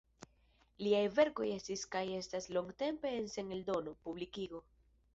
Liaj verkoj estis kaj estas longtempe sen eldono, publikigo.